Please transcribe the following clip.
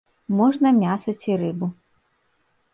Можна мяса ці рыбу.